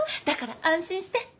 だから安心して。